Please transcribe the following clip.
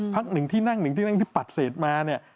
หนึ่งที่นั่งหนึ่งที่นั่งที่ปัดเศษมาเนี่ย